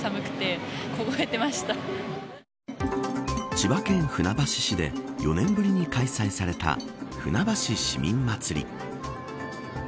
千葉県船橋市で４年ぶりに開催されたふなばし市民まつり。